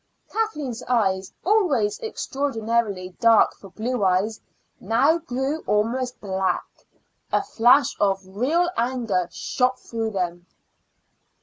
Kathleen's eyes, always extraordinarily dark for blue eyes, now grew almost black. A flash of real anger shot through them.